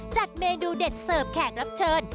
จัดเมนูเด็ดเสิร์ฟแขกรับเชิญ